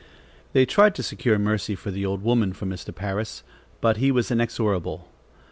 They tried to secure mercy for the old woman from Mr. Parris; but he was inexorable.